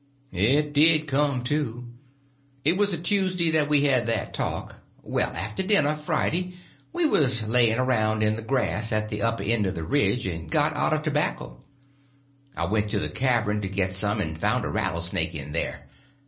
It did come, too. It was a Tuesday that we had that talk. Well, after dinner Friday we was laying around in the grass at the upper end of the ridge, and got out of tobacco. I went to the cavern to get some, and found a rattlesnake in there.